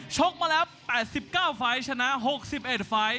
กมาแล้ว๘๙ไฟล์ชนะ๖๑ไฟล์